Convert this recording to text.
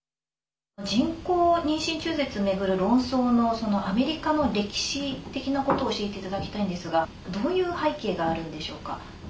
人工妊娠中絶を巡る論争のアメリカの歴史的なことを教えていただきたいんですがどういう背景があるんでしょうか。